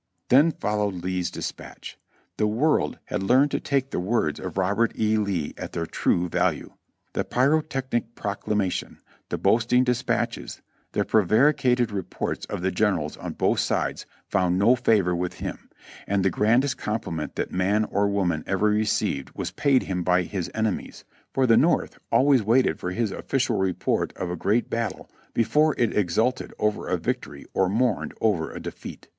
Then followed Lee's dispatch. The world had learned to take the words of Robert E. Lee at their true value. The pyrotechnic proclamation, the boasting dispatches, the prevaricating reports of the generals on both sides found no favor with him, and the grandest compliment that man or woman ever received was paid him by his enemies, for PAROI.ED 3^5 the North always waited for his official report of a great battle before it exulted over a victory or mourned over a defeat.